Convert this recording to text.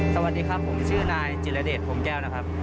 สวัสดีครับผมชื่อนายจิรเดชพรมแก้วนะครับ